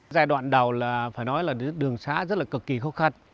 giai đoạn đầu là phải nói là đường xá rất là cực kỳ khó khăn